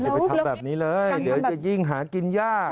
ไปทำแบบนี้เลยเดี๋ยวจะยิ่งหากินยาก